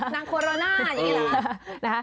นางโคโรนาอย่างนี้หรอ